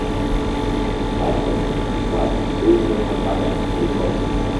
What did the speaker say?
Башаӡа уахь сыҩны акәакь ахь снеихон.